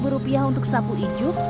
delapan rupiah untuk sapu ijuk